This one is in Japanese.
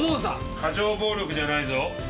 過剰暴力じゃないぞ！